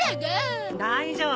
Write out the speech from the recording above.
大丈夫。